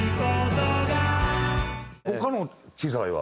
他の機材は？